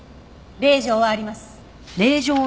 令状はあります。